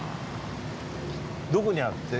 どこにあるって？